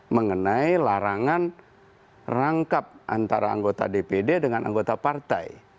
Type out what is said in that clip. mengenai larangan rangkap antara anggota dpd dengan anggota partai